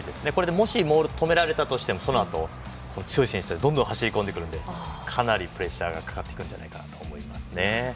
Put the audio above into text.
もしモール止められたとしてもそのあと、強い選手がどんどんくるのでかなりプレッシャーかかるんじゃないかなと思いますね。